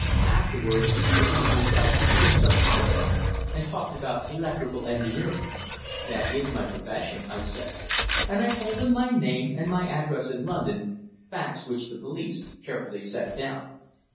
Afterwards you believed yourself to be in some office, and talked about electrical engineering." "That is my profession," I said. And I told them my name and my address in London, facts which the police carefully set down.